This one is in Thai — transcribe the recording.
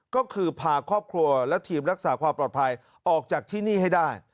ก็คือพาครอบครัวและทีมรักษาความปลอดภัยออกจากที่นี่ให้ได้